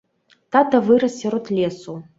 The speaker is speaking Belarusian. Тата вырас сярод лесу.